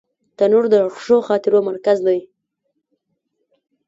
تنور د ښو خاطرو مرکز دی